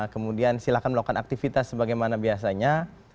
kemudian silakan melakukan aktivitas sebagaimana biasanya